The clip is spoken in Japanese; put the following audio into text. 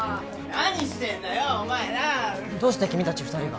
何してんだよお前らどうして君達２人が？